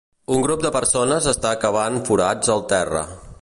Un grup de persones està cavant forats al terra.